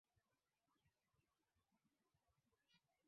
wakitaka dola itenganishwe na dini Muandamanaji wa